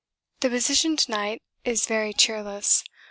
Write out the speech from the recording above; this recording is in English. The position to night is very cheerless.